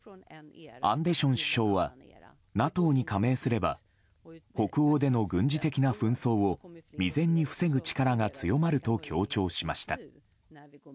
アンデション首相はＮＡＴＯに加盟すれば北欧での軍事的な紛争を未然に防ぐ力が強まると強調しました。